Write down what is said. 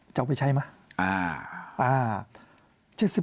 จะเอาไปใช้มั้ย